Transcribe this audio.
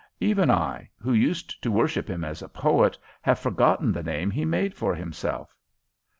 Even I, who used to worship him as a poet, have forgotten the name he made for himself."